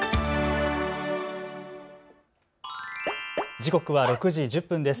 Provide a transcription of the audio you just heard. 時刻は６時１０分です。